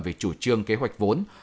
về chủ trương kế hoạch vốn